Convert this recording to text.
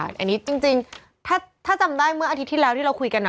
อันนี้จริงถ้าจำได้เมื่ออาทิตย์ที่แล้วที่เราคุยกัน